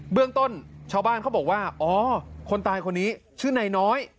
เรื่องต้นชาวบ้านเขาบอกว่าอ๋อคนตายคนนี้ชื่อนายน้อย